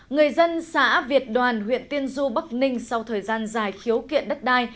người dân xã việt đoàn huyện tiên du bắc ninh sau thời gian dài khiếu kiện đất đai